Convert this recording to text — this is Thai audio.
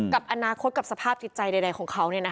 แล้วคุดกับสภาพจิตใจใดของเขาเนี่ยนะคะ